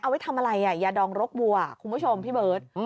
ไว้ทำอะไรยาดองรกวัวคุณผู้ชมพี่เบิร์ต